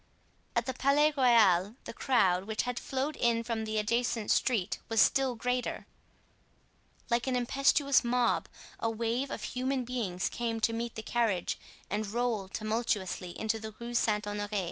At the Palais Royal, the crowd, which had flowed in from the adjacent street was still greater; like an impetuous mob, a wave of human beings came to meet the carriage and rolled tumultuously into the Rue Saint Honore.